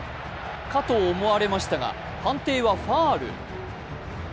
かと思われましたが判定はファウル。